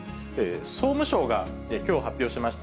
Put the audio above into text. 総務省がきょう発表しました